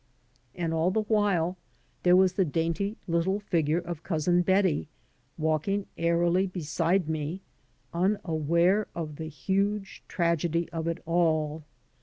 And all the while there was the dainty little figure of Cousin Betty walking airily beside me, unaware of the huge tragedy of it all.